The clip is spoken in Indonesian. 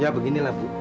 ya beginilah bu